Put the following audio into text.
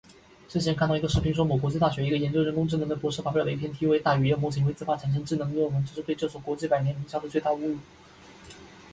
之前看到一个视频说某国际大学一个研究人工智能的博士发表了一篇题为:大语言模型会自发产生智能的论文，这是对这所国际百年名校的最大侮辱